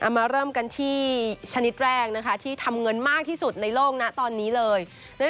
มาเริ่มกันที่ชนิดแรกนะคะที่ทำเงินมากที่สุดในโลกนะตอนนี้เลย